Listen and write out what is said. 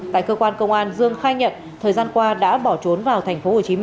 tại cơ quan công an dương khai nhận thời gian qua đã bỏ trốn vào thành phố